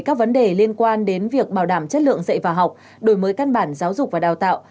các vấn đề liên quan đến việc bảo đảm chất lượng dạy và học đổi mới căn bản giáo dục và đào tạo